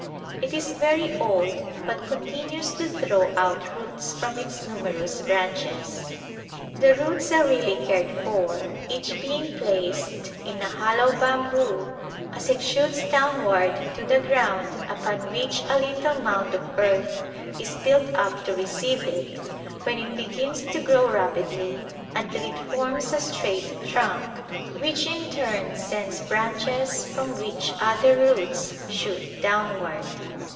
It is very old but continues to throw out roots from its numerous branches. The roots are carefully cared for, each being placed in a hollow bam [H3] A Glimpse of India boo as It shoots downward to the ground upon which a Httle mound of earth is built up to receive it, when It begins to grow rapidly until it forms a straight trunk which in turn sends branches from which other roots shoot downward.